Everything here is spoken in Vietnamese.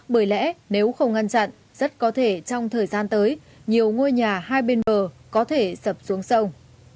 bởi lẽ nếu không ngăn chặn rất có thể trong thời gian tới nhiều ngôi nhà hai bên bờ có thể sập xuống sông